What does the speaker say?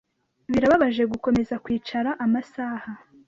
Birababaje gukomeza kwicara amasaha.